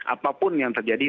apapun yang terjadi